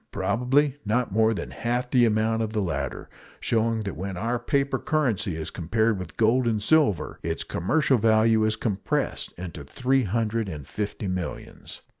Probably not more than half the amount of the latter; showing that when our paper currency is compared with gold and silver its commercial value is compressed into three hundred and fifty millions.